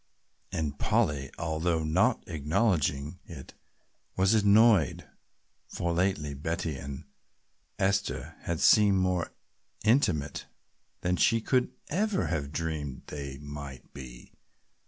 And Polly, although not acknowledging it, was annoyed, for lately Betty and Esther had seemed more intimate than she could ever have dreamed they might be.